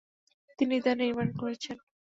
তিনিই তা নির্মাণ করেছেন।